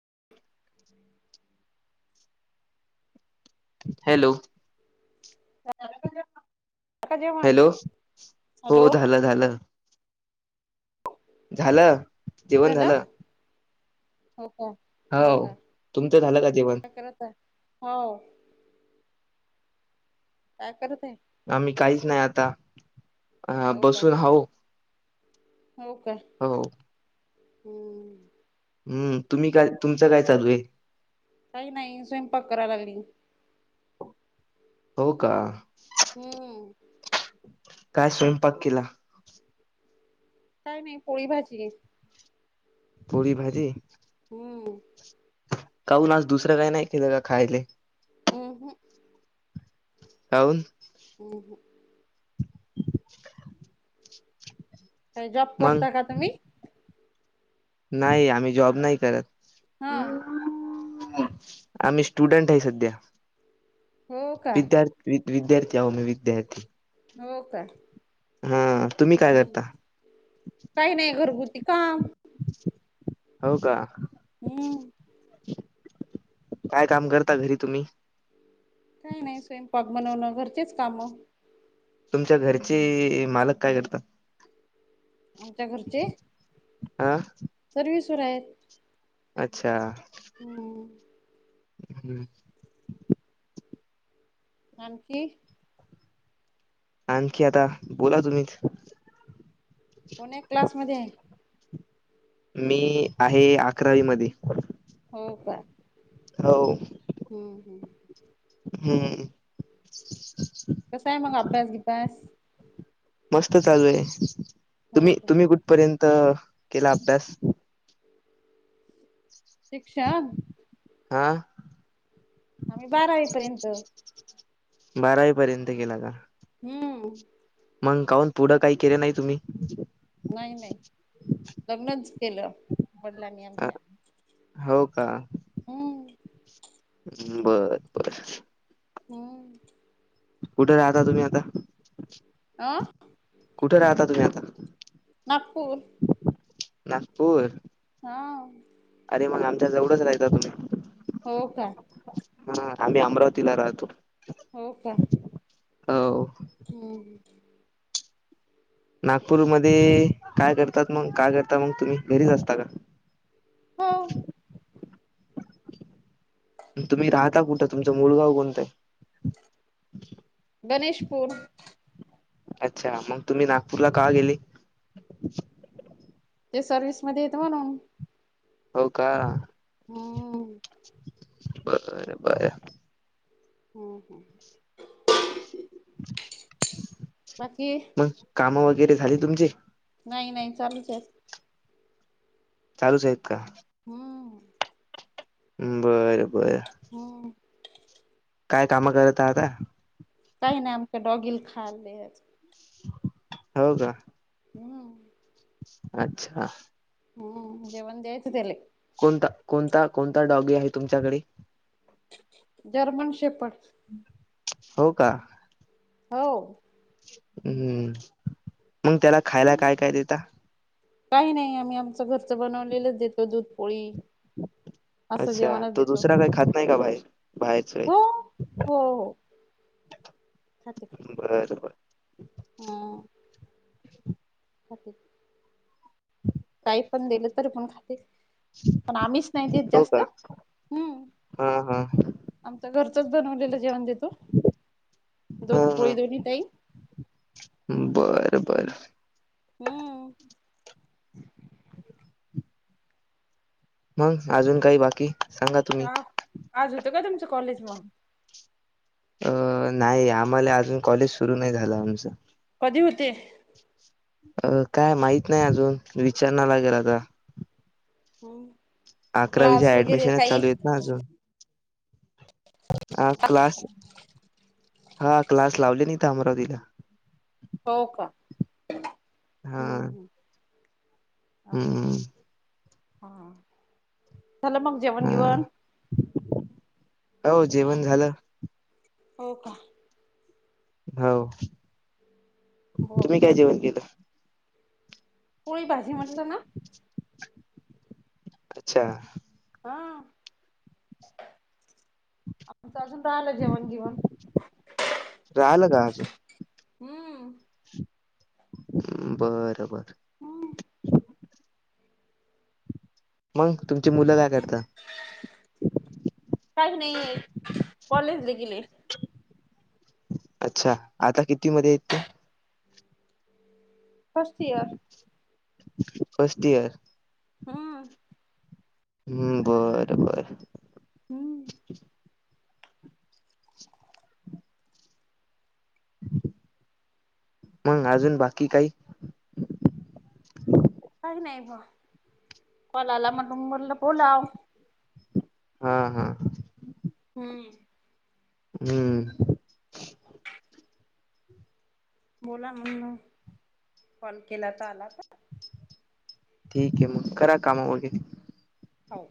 [inaudible] Hello, का जेवण hello, हो हॅलो झालं झालं. झालं. जेवण नंदला झालं हो का [unintelligible] हो, तुमचं झालं का जेवण? काय करत आहे. हो. काय करत आहे? आम्ही काहीच नाही आता, अ हो का बसून हाऊ हो काय? हम् हम्म, तुम्ही काय तुमचं काय चालू आहे? काही नाही स्वयपाक कराय लागली. हो का? हम्म. काय स्वयंपाक केला? काय नाही, पोळी- भाजी आहे. पोळी- भाजी? हम्म. काऊून आज दुसरं काही नाही केलं का खायला? हम हं. काऊन? हो हो. [inaudible] काय जॉब मग करता का तुम्ही? नाही आम्ही जॉब नाही करत. हा. आम्ही स्टुडंट आहे सध्या. हो का विद्यार्थ- विद्यार्थी आवोम विद्यार्थी हो काय? हम्म, तुम्ही काय करता? नाही घरगुती काम हो का? हम्म. काय काम करता घरी तुम्ही काय नाही स्वयंपाक बनवणं घरचेच काम तुमच्या घरचे मालक काय करतात आमच्या घरचे आह सर्विसवर आहेत अच्छा हम्म हम्म आणखी आणखी आता बोला तुम्हीच कोन्या क्लासमध्ये आहे मी आहे अकरावी मध्ये हो का हो हम् हम् हम्म कस आहे मग अभ्यास बीभ्यास मस्त चालू आहे हो तुम्ही का तुम्ही कुठ पर्यंत केला अभ्यास शिक्षा हा आम्ही बारावीपर्यंत बारावी पर्यंत केला का हम्म मग काउन पुढं काही केले नाही तुम्ही नाही नाही लग्नच केलं वडलांनी अ, आमच्या हो का हम्म बर बर हम् कुठे राहता तुम्ही आता अ कुठ राहता तुम्ही आता नागपूर नागपूर ह अ अरे मग आमच्या जवळंच राहयता तुम्ही हो का हा आम्ही अमरावतीला राहतो हो का हो हम्म नागपूरमध्ये काय करतात मग काय करता मग तुम्ही घरीच असता का हो तुम्ही राहता कुठ तुमं मूळ गाव कोणत ये गणेशपूर अच्छा मग तुम्ही नागपूरला का गेली ते सर्विसमध्ये येत म्हणून हो का हो [inaudible] बरं बरं हम् हम. बाकी [inaudible] मग काम वगैरे झाली तुमचे? नाही, नाही चालूचे. चालूच आहेत का? हम्म बरं बरं. हम्म [inaudible] काय कामं करत आता? काही नाही आमच्या डॉगीला खायला द्यायचं. हो का. हम्म अच्छा! हम्म जेवण द्यायचे त्याला. कोणता, कोणता, कोणता डॉगी आहे तुमच्याकडे? जर्मन शेफर्ड हो का. हो. हम्म, मग त्याला खायला काय काय देता? काही नाही, आम्ही आमचं घरचं बनवलेलंच देतो, दूधपोळी. [inaudible] अच्छा, तो दुसरा काही खात नाई का बाहेर? बाहेरच हो हो [inaudible] बरं बर हो. खात्यात. काही पण दिलं तरी पण खाते. पण आम्हीच नाही देत हो जास्त. का हम् [inaudible] हा हा आमच घरचंच बनवलेलं जेवण देतो. [inaudible] दूध पोळी दोन्ही टाईम. बर बर. हम्म. मग, अजून काही बाकी? सांगा तुम्ही आ. आज होतं का तुमचं कॉलेज मग? अं नाही, आम्हाला अजून कॉलेज सुरू नाही झालं आमचं. कधी होते? अ काय माहीत नाही अजून, विचारनार [unintelligible] हम्म, क्लास अकरावीच्या वगैरे ऍडमिशनच काही? चालू आहेत ना अजून हा क्लास, [inaudible] हा क्लास लावलेत इथं अमरावतीला. हो का. हा हम्म हम्. ओके, हम्म हम्म, झालं मग जेवण हा बिवण? हो, जेवण झालं. हो का. हो. हो तुम्ही काय जेवण केलं? पोळी भाजी म्हटलं ना. [inaudible] अच्छा. हा, [inaudible] आमचं आलं जेवण बिवण. राहिलं का हम्म, बर बर. हम मंग तुमची मुलं काय करतात? काही नाही, आहे कॉलेजला गेलेय. अच्छा, आता किती मध्ये येत ते. First year. First year. हां. हम्म, बरं बर. हम्म, मंग, अजून बाकी काही, काही नाही, कॉल आला म्हणल बोलाव. हा हा. हम्म, हम्म, बोला म्हग, कॉल केला तर आला आता. ठीक आहे मग, करा कामं मग. ह ओ